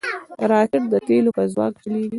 راکټ د تیلو په ځواک چلیږي